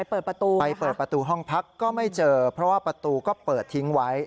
เปิดประตูไปเปิดประตูห้องพักก็ไม่เจอเพราะว่าประตูก็เปิดทิ้งไว้